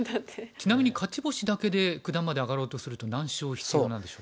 ちなみに勝ち星だけで九段まで上がろうとすると何勝必要なんでしょう？